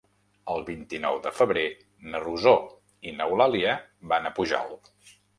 El vint-i-nou de febrer na Rosó i n'Eulàlia van a Pujalt.